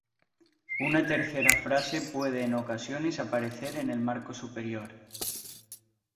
Una tercera frase puede en ocasiones aparecer en el marco superior.